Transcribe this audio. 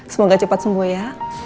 semoga cepat sembuh ya